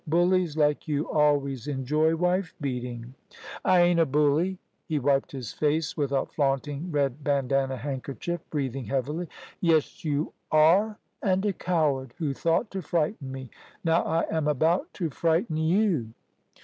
Bullies like you always enjoy wife beating." "I ain't a bully"; he wiped his face with a flaunting red bandana handkerchief, breathing heavily. "Yes, you are, and a coward, who thought to frighten me. Now I am about to frighten you."